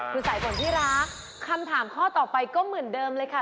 คุณสายฝนที่รักคำถามข้อต่อไปก็เหมือนเดิมเลยค่ะ